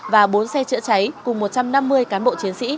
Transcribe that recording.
và bốn xe chữa cháy cùng một trăm năm mươi cán bộ chiến sĩ